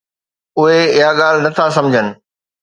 اُھي اھا ڳالھھ نٿا سمجھن.